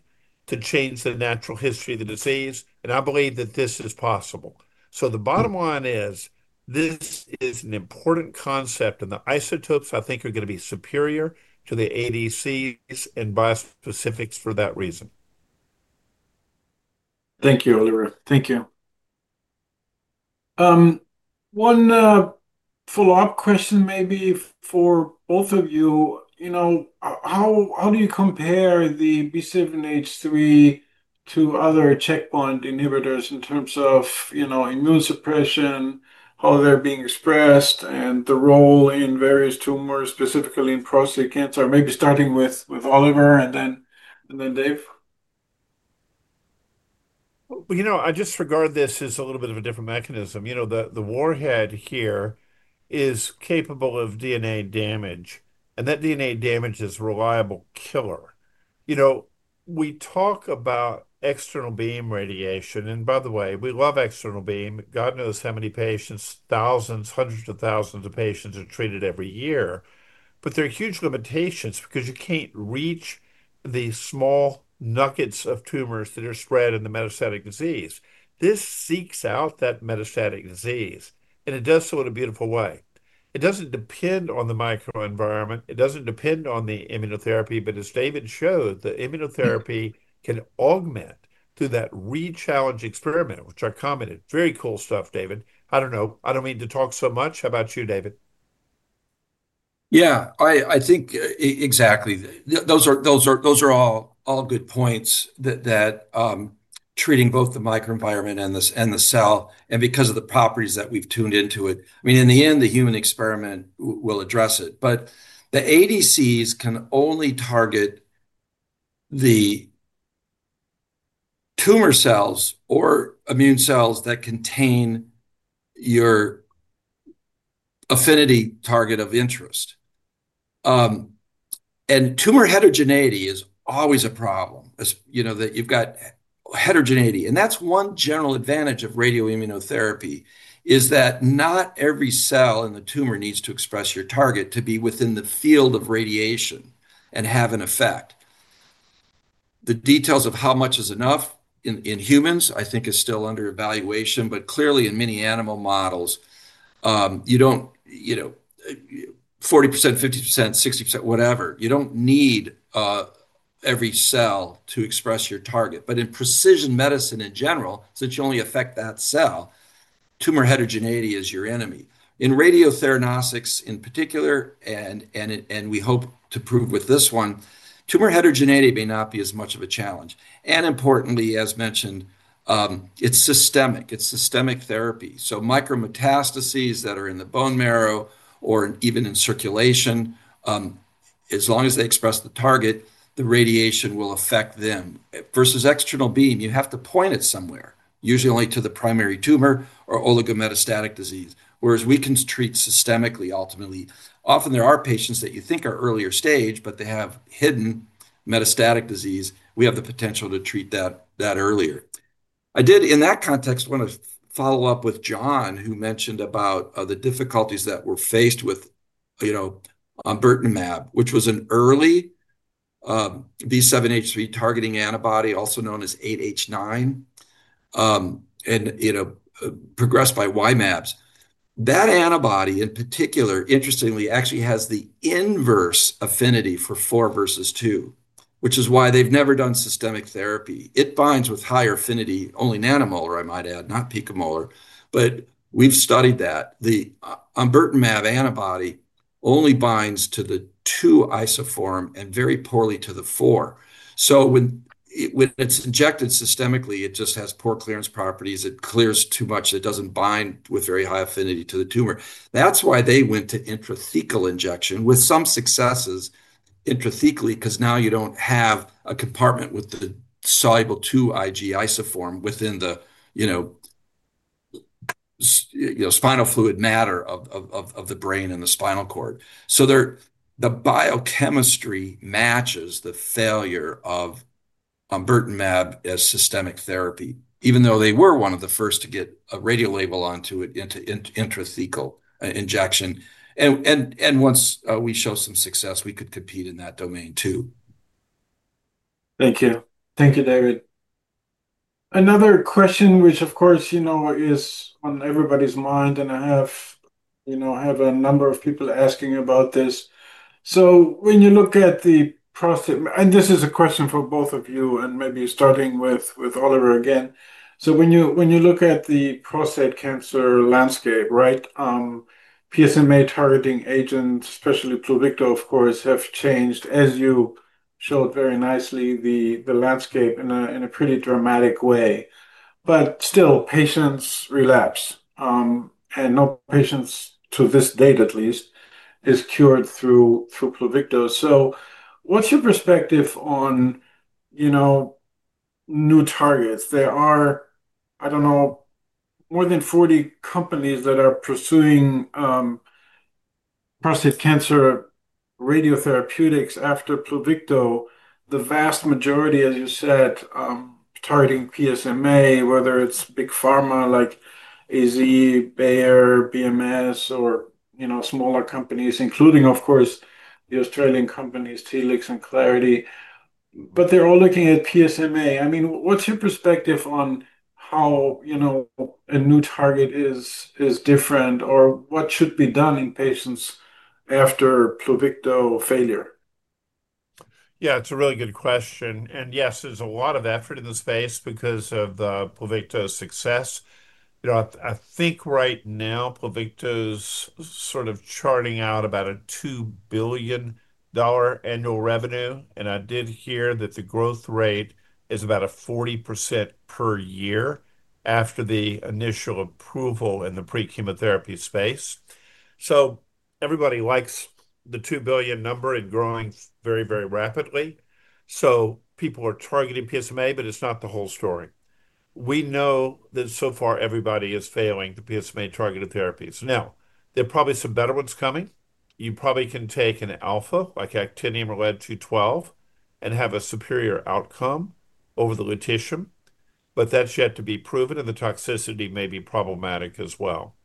to change the natural history of the disease. I believe that this is possible. The bottom line is this is an important concept. The isotopes, I think, are going to be superior to the ADCs and bispecifics for that reason. Thank you, Oliver. Thank you. One follow-up question maybe for both of you. How do you compare the B7-H3 to other checkpoint inhibitors in terms of immune suppression, how they're being expressed, and the role in various tumors, specifically in prostate cancer? Maybe starting with Oliver and then Dave. You know, I just regard this as a little bit of a different mechanism. The warhead here is capable of DNA damage, and that DNA damage is a reliable killer. We talk about external beam radiation. By the way, we love external beam. God knows how many patients, thousands, hundreds of thousands of patients are treated every year. There are huge limitations because you can't reach the small nuggets of tumors that are spread in the metastatic disease. This seeks out that metastatic disease, and it does so in a beautiful way. It doesn't depend on the microenvironment. It doesn't depend on the immunotherapy. As David showed, the immunotherapy can augment through that re-challenge experiment, which I commented. Very cool stuff, David. I don't know. I don't mean to talk so much. How about you, David? Yeah. I think exactly. Those are all good points that treating both the microenvironment and the cell and because of the properties that we've tuned into it, I mean, in the end, the human experiment will address it. The ADCs can only target the tumor cells or immune cells that contain your affinity target of interest, and tumor heterogeneity is always a problem. You know that you've got heterogeneity, and that's one general advantage of radioimmunotherapy is that not every cell in the tumor needs to express your target to be within the field of radiation and have an effect. The details of how much is enough in humans, I think, is still under evaluation. Clearly, in many animal models, you don't, you know, 40%, 50%, 60%, whatever, you don't need every cell to express your target. In precision medicine in general, since you only affect that cell, tumor heterogeneity is your enemy. In radiotheranostics in particular, and we hope to prove with this one, tumor heterogeneity may not be as much of a challenge. Importantly, as mentioned, it's systemic. It's systemic therapy, so micrometastases that are in the bone marrow or even in circulation, as long as they express the target, the radiation will affect them. Versus external beam, you have to point it somewhere, usually only to the primary tumor or oligometastatic disease, whereas we can treat systemically, ultimately. Often, there are patients that you think are earlier stage, but they have hidden metastatic disease. We have the potential to treat that earlier. I did, in that context, want to follow up with John, who mentioned the difficulties that were faced with Omburtamab, which was an early B7-H3 targeting antibody, also known as 8H9, and progressed by Y-mAbs. That antibody, in particular, interestingly, actually has the inverse affinity for 4Ig versus 2Ig, which is why they've never done systemic therapy. It binds with higher affinity, only nanomolar, I might add, not picomolar. We've studied that. The Omburtamab antibody only binds to the 2Ig isoform and very poorly to the 4Ig. When it's injected systemically, it just has poor clearance properties. It clears too much. It doesn't bind with very high affinity to the tumor. That's why they went to intrathecal injection with some successes intrathecally because now you don't have a compartment with the soluble 2Ig isoform within the spinal fluid matter of the brain and the spinal cord. The biochemistry matches the failure of Omburtamab as systemic therapy, even though they were one of the first to get a radiolabel onto it for intrathecal injection. Once we show some success, we could compete in that domain too. Thank you. Thank you, David. Another question, which, of course, is on everybody's mind. I have a number of people asking about this. When you look at the prostate, and this is a question for both of you and maybe starting with Oliver again. When you look at the prostate cancer landscape, right, PSMA targeting agents, especially Pluvicto, of course, have changed, as you showed very nicely, the landscape in a pretty dramatic way. Still, patients relapse. No patients to this date, at least, are cured through Pluvicto. What's your perspective on new targets? There are, I don't know, more than 40 companies that are pursuing prostate cancer radiotherapeutics after Pluvicto. The vast majority, as you said, targeting PSMA, whether it's big pharma like AZ, Bayer, BMS, or smaller companies, including, of course, the Australian companies Helix and Clarity. They're all looking at PSMA. What's your perspective on how a new target is different or what should be done in patients after Pluvicto failure? Yeah, it's a really good question. Yes, there's a lot of effort in the space because of the Pluvicto success. I think right now, Pluvicto is sort of charting out about a $2 billion annual revenue. I did hear that the growth rate is about a 40% per year after the initial approval in the pre-chemotherapy space. Everybody likes the $2 billion number. It's growing very, very rapidly. People are targeting PSMA, but it's not the whole story. We know that so far, everybody is failing the PSMA-targeted therapies. There are probably some better ones coming. You probably can take an alpha like actinium or [Lead-212] and have a superior outcome over the Lutetium. That's yet to be proven, and the toxicity may be problematic as well.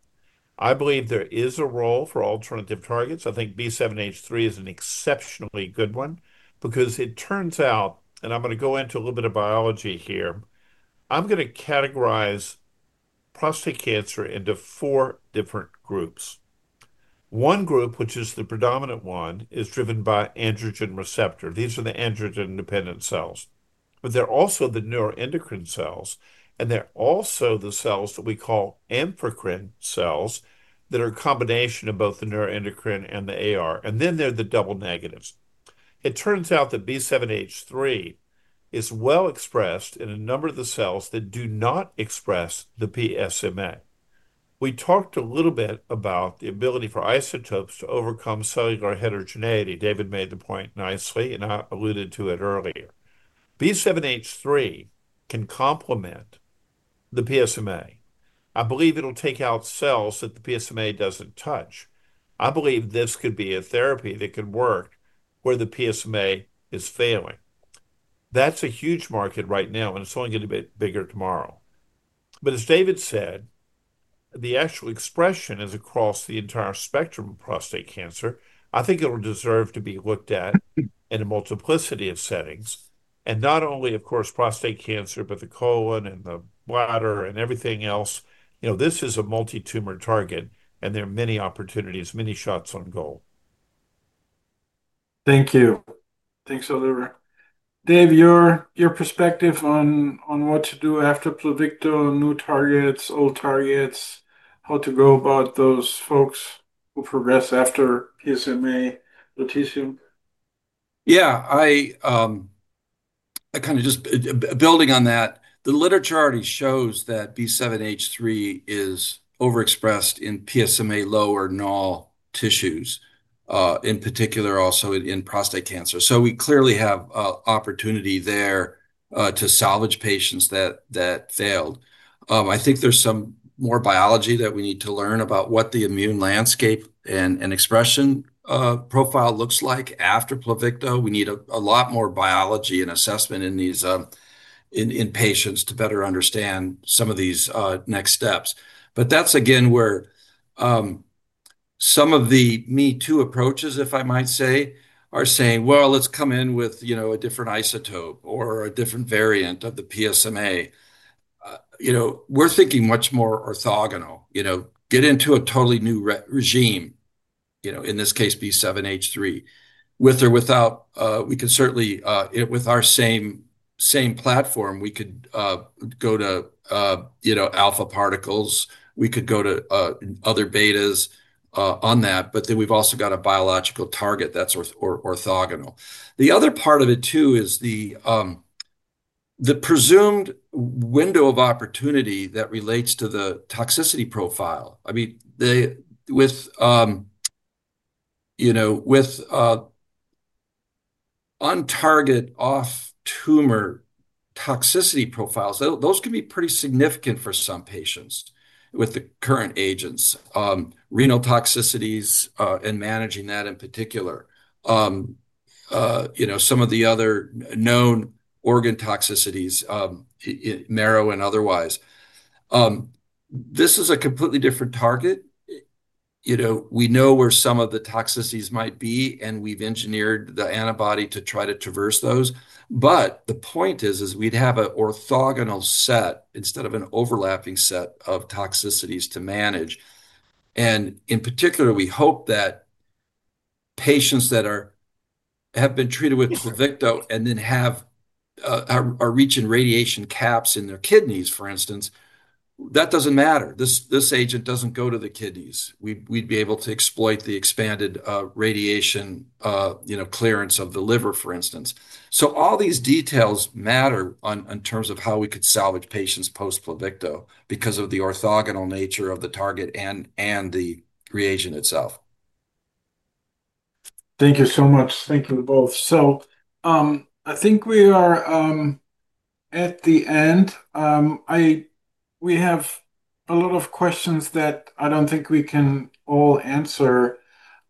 I believe there is a role for alternative targets. I think B7-H3 is an exceptionally good one because it turns out, and I'm going to go into a little bit of biology here, I'm going to categorize prostate cancer into four different groups. One group, which is the predominant one, is driven by androgen receptor. These are the androgen-dependent cells. There are also the neuroendocrine cells, and there are also the cells that we call amphicrine cells that are a combination of both the neuroendocrine and the AR. Then there are the double negatives. It turns out that B7-H3 is well expressed in a number of the cells that do not express the PSMA. We talked a little bit about the ability for isotopes to overcome cellular heterogeneity. David made the point nicely, and I alluded to it earlier. B7-H3 can complement the PSMA. I believe it'll take out cells that the PSMA doesn't touch. I believe this could be a therapy that could work where the PSMA is failing. That's a huge market right now, and it's only going to get a bit bigger tomorrow. As David said, the actual expression is across the entire spectrum of prostate cancer. I think it'll deserve to be looked at in a multiplicity of settings, and not only, of course, prostate cancer, but the colon and the bladder and everything else. This is a multi-tumor target, and there are many opportunities, many shots on goal. Thank you. Thanks, Oliver. Dave, your perspective on what to do after Pluvicto? New targets, old targets, how to go about those folks who progress after PSMA, Lutetium? Yeah. Kind of just building on that, the literature already shows that B7-H3 is overexpressed in PSMA low or null tissues, in particular also in prostate cancer. We clearly have an opportunity there to salvage patients that failed. I think there's some more biology that we need to learn about what the immune landscape and expression profile looks like after Pluvicto. We need a lot more biology and assessment in these patients to better understand some of these next steps. That's, again, where some of the me-too approaches, if I might say, are saying, let's come in with a different isotope or a different variant of the PSMA. We're thinking much more orthogonal. Get into a totally new regime, in this case, B7-H3. With or without, we could certainly, with our same platform, go to alpha particles. We could go to other betas on that. We've also got a biological target that's orthogonal. The other part of it too is the presumed window of opportunity that relates to the toxicity profile. I mean, with on-target off-tumor toxicity profiles, those can be pretty significant for some patients with the current agents, renal toxicities and managing that in particular. Some of the other known organ toxicities, marrow and otherwise. This is a completely different target. We know where some of the toxicities might be. We've engineered the antibody to try to traverse those. The point is, we'd have an orthogonal set instead of an overlapping set of toxicities to manage. In particular, we hope that patients that have been treated with Pluvicto and then are reaching radiation caps in their kidneys, for instance, that doesn't matter. This agent doesn't go to the kidneys. We'd be able to exploit the expanded radiation clearance of the liver, for instance. All these details matter in terms of how we could salvage patients post Pluvicto because of the orthogonal nature of the target and the reagent itself. Thank you so much. Thank you both. I think we are at the end. We have a lot of questions that I don't think we can all answer,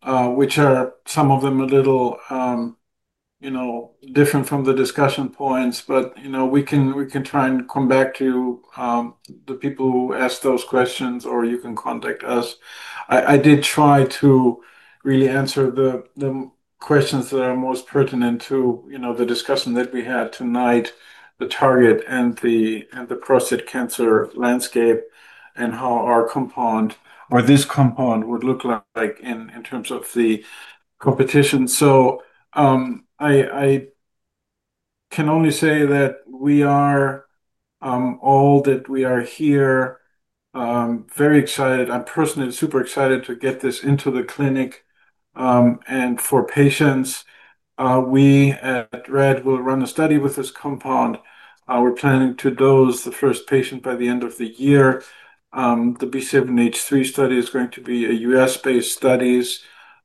which are some of them a little, you know, different from the discussion points. You know, we can try and come back to the people who asked those questions, or you can contact us. I did try to really answer the questions that are most pertinent to the discussion that we had tonight, the target and the prostate cancer landscape and how our compound or this compound would look like in terms of the competition. I can only say that we are all here, very excited. I'm personally super excited to get this into the clinic. For patients, we at Radiopharm Theranostics will run a study with this compound. We're planning to dose the first patient by the end of the year. The B7-H3 study is going to be a U.S.-based study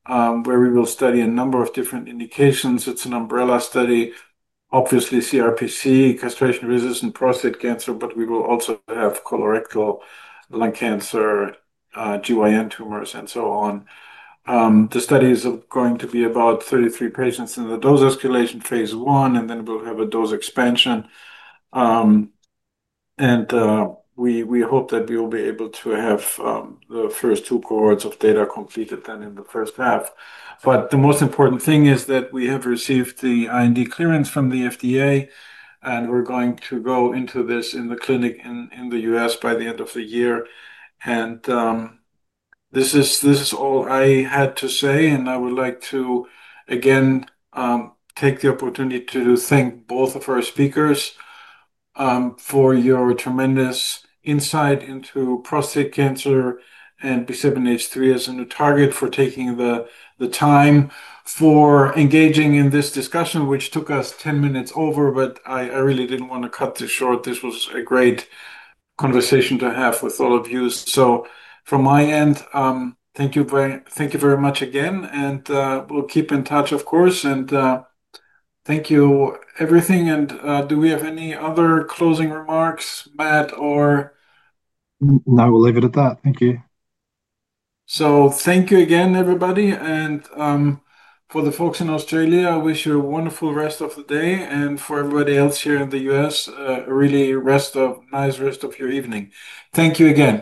where we will study a number of different indications. It's an umbrella study, obviously, castration-resistant prostate cancer (CRPC). We will also have colorectal, lung cancer, GYN tumors, and so on. The study is going to be about 33 patients in the dose escalation phase I, and then we'll have a dose expansion. We hope that we'll be able to have the first two cohorts of data completed then in the first half. The most important thing is that we have received the IND clearance from the FDA, and we're going to go into this in the clinic in the U.S. by the end of the year. This is all I had to say. I would like to, again, take the opportunity to thank both of our speakers for your tremendous insight into prostate cancer and B7-H3 as a new target, for taking the time for engaging in this discussion, which took us 10 minutes over. I really didn't want to cut this short. This was a great conversation to have with all of you. From my end, thank you very much again. We'll keep in touch, of course. Thank you, everything. Do we have any other closing remarks, Matt, or? No, we'll leave it at that. Thank you. Thank you again, everybody. For the folks in Australia, I wish you a wonderful rest of the day. For everybody else here in the U.S., a really nice rest of your evening. Thank you again.